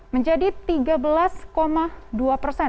menjadi tiga belas dua persen